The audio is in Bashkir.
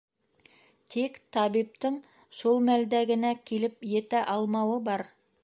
Тик табиптың шул мәлдә генә килеп етә алмауы бар.